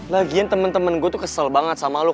lagian temen temen gue tuh kesel banget sama lo